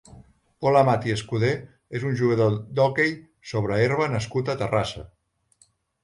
Pol Amat i Escudé és un jugador d'hoquei sobre herba nascut a Terrassa.